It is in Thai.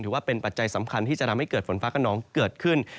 ถือว่าเป็นปัจจัยสำคัญที่จะทำให้เกิดฝนฟ้ากระนองเกิดขึ้น